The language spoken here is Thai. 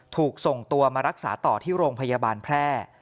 ถูกส่งตัวมารักษาต่อที่โรงพยาบาลแพร่